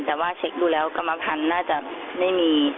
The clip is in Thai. แต่ว่าเช็คดูแล้วกรรมพันธุ์น่าจะไม่มี